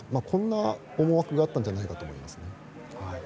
こんな思惑があったんじゃないかと思います。